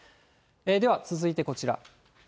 では続いてこちら。